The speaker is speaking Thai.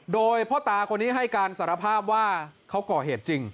โดยพ่อตาคนนี้ให้การสารภาพว่าเขาก่อเหตุจริง